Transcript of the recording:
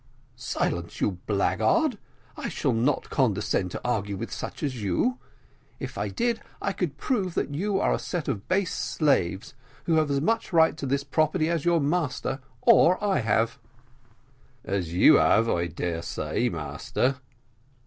"Silence, you blackguard, I shall not condescend to argue with such as you: if I did I could prove that you are a set of base slaves, who have just as much right to this property as your master or I have." "As you have, I dare say, master."